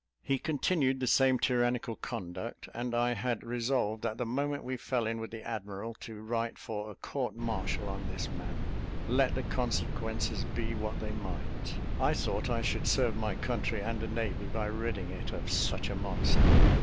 He continued the same tyrannical conduct, and I had resolved that the moment we fell in with the admiral to write for a court martial on this man, let the consequences be what they might: I thought I should serve my country and the navy by ridding it of such a monster.